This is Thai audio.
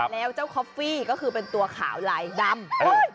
แล้วเจ้าคอฟฟี่ก็คือเป็นตัวขาวลายดำ